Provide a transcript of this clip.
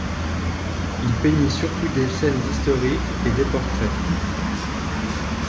Il peignit surtout des scènes historiques et des portraits.